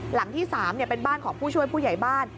หลังที่๓เป็นบ้านของผู้ช่วยผู้ใหญ่บ้าน